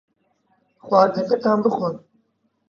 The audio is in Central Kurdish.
خواردنەکەتان بخۆن.